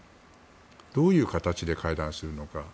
どういう形で会談するのか。